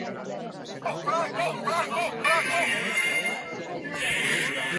Hori nabarmendu zuen behintzat prentsa aretoan.